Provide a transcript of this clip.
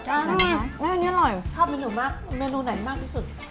ชอบเมนูไหนมากที่สุด